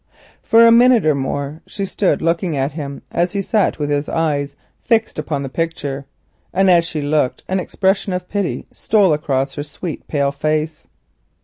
For a minute or more she stood looking at him as he sat with his eyes fixed upon the picture, and while she looked an expression of pity stole across her sweet pale face.